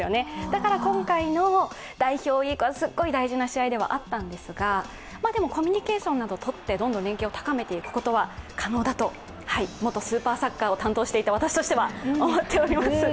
だから今回の代表ウィークはすごい大事な試合ではあったんですが、でも、コミュニケーションなどをとってどんどん連係を高めていくことは可能だと元「ＳＵＰＥＲＳＯＣＣＥＲ」を担当していた私としては思っております。